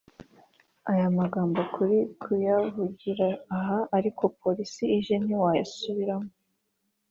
ayo magambo uri kuyavugira aha ariko polisi ije ntiwayasubiramo